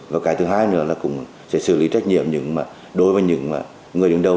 và cái thứ hai nữa là cũng sẽ xử lý trách nhiệm đối với những người đứng đầu